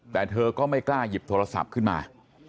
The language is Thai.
แต่เธอก็ไม่กล้าหยิบโทรศัพท์ขึ้นมา